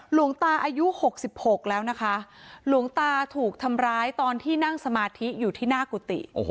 หลวงตาอายุ๖๖แล้วนะคะหลวงตาถูกทำร้ายตอนที่นั่งสมาธิอยู่ที่หน้ากุฏิ